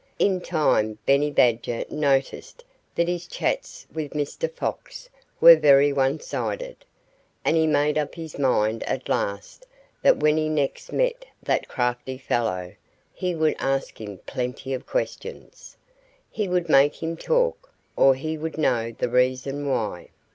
In time Benny Badger noticed that his chats with Mr. Fox were very one sided. And he made up his mind at last that when he next met that crafty fellow he would ask him plenty of questions. He would make him talk, or he would know the reason why.